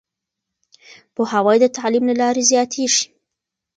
پوهاوی د تعليم له لارې زياتېږي.